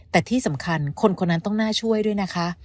แต่ที่สำคัญคนคนนั้นต้องน่าช่วยด้วยนะคะ